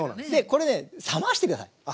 これね冷まして下さい。